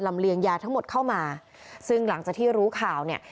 เลียงยาทั้งหมดเข้ามาซึ่งหลังจากที่รู้ข่าวเนี่ย